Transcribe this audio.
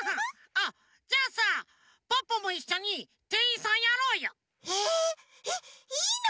あっじゃあさポッポもいっしょにてんいんさんやろうよ。え！？えっいいの？